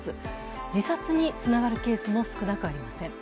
自殺につながるケースも少なくありません。